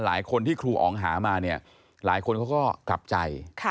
หลายคนที่ครูอ๋องหามาเนี่ยหลายคนเขาก็กลับใจ